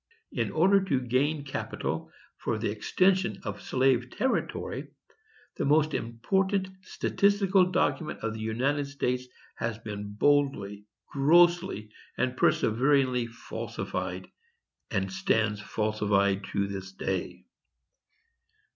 _In order to gain capital for the extension of slave territory, the most important statistical document of the United States has been boldly, grossly, and perseveringly falsified, and stands falsified to this day.